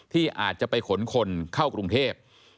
ที่อาจจะไปขนคนเข้ากรุงเทพ